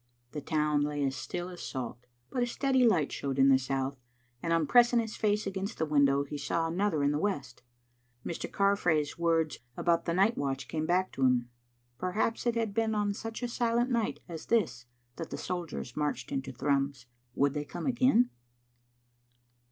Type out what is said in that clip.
The town lay as still as salt. But a steady light showed in the south, and on pressing his face against the window he saw another in the west. Mr. Carfrae's words about the night watch came back to him. Perhaps it had been on such a silent night as this that the soldiers marched into Thrums. Would they come again?